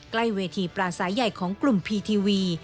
ใกล้เวทีปราศัยใหญ่ของกลุ่มพีทีวี